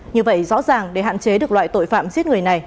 như vậy rõ ràng để hạn chế được loại tội phạm giết người này